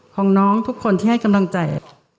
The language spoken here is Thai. ของน้องทุกคนที่ให้กำลังใจ